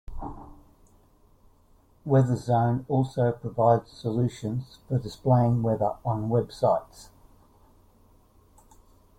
Weatherzone also provides solutions for displaying weather on websites.